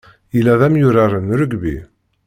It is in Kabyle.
Yella d amyurar n rugby.